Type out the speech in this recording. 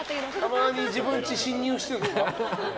たまに自分の家に侵入してるの？